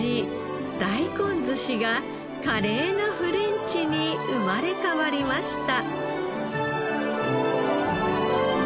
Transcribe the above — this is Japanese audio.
大根ずしが華麗なフレンチに生まれ変わりました。